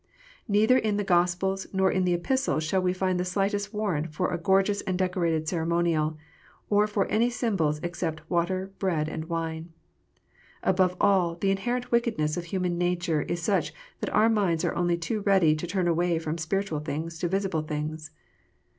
Neither in the Gospels nor in the Epistles shall we find the slightest warrant for a gorgeous and decorated ceremonial, or for any symbols except water, bread, and wine. Above all, the inherent wickedness of human nature is such that our minds are only too ready to turn away from spiritual things to visible things.